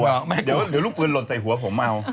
เดี๋ยวลูกปืนหล่นใส่หัวผมเอา